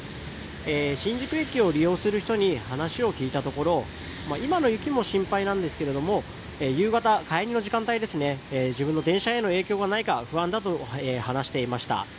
新宿駅を利用する人に話を聞いたところ今の雪も心配なんですけども夕方、帰りの時間帯に自分の電車への影響がないか不安だと話していました。